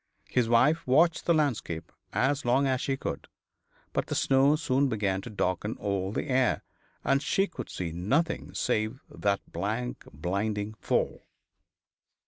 His wife watched the landscape as long as she could, but the snow soon began to darken all the air, and she could see nothing save that blank blinding fall.